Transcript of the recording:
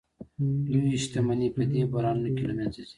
لویې شتمنۍ په دې بحرانونو کې له منځه ځي